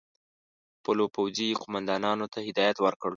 خپلو پوځي قوماندانانو ته هدایت ورکړ.